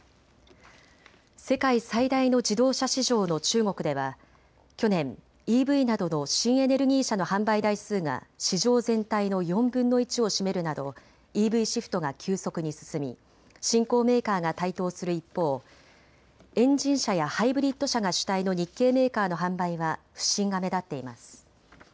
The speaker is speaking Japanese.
世界最大の自動車市場の中国では去年、ＥＶなどの新エネルギー車の販売台数が市場全体の４分の１を占めるなどＥＶシフトが急速に進み新興メーカーが台頭する一方、エンジン車やハイブリッド車が主体の日系メーカーの販売は不振が目立っています。